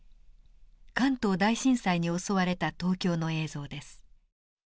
関東大震災に襲われた東京の映像です。